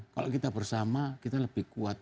kalau kita bersama kita lebih kuat